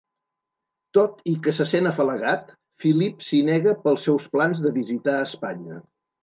Tot i que se sent afalagat, Philip s'hi nega pels seus plans de visitar Espanya.